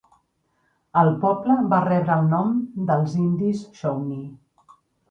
El poble va rebre el nom dels indis shawnee.